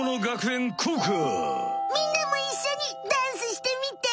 みんなもいっしょにダンスしてみて！